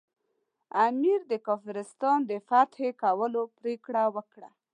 امیر د کافرستان د فتح کولو پرېکړه وکړه.